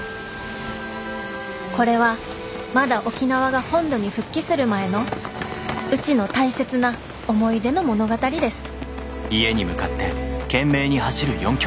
これはまだ沖縄が本土に復帰する前のうちの大切な思い出の物語です